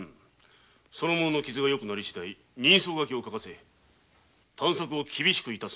その者の傷が良くなりしだい人相書きを書かせ探索を厳しく致せ！